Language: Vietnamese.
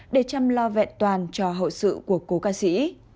để chăm lo vẹn toàn cho hậu sự của cố ca sĩ